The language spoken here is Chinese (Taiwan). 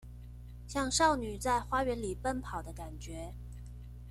像少女在花園裡奔跑的感覺